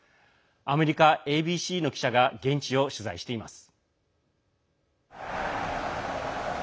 アメリカＡＢＣの記者が現地を取材しています。